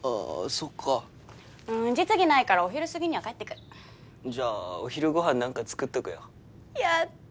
そっか実技ないからお昼過ぎには帰ってくるじゃあお昼ごはん何か作っとくよやった！